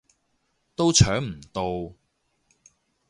都搶唔到